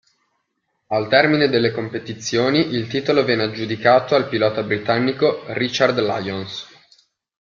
Al termine delle competizioni il titolo venne aggiudicato al pilota britannico Richard Lyons.